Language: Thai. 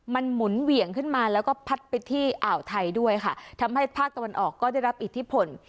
มันหมุนเหวี่ยงขึ้นมาแล้วก็พัดไปที่อ่าวไทยด้วยค่ะทำให้ภาคตะวันออกก็ได้รับอิทธิพล